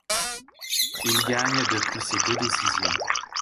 Il gagne de plus ses deux décisions.